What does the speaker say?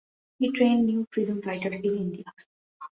He trained new freedom fighters in India.